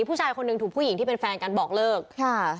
ผู้ชายคนหนึ่งถูกผู้หญิงที่เป็นแฟนกันบอกเลิกค่ะ